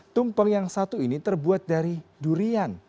tumpeng yang satu ini terbuat dari durian